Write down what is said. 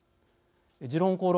「時論公論」。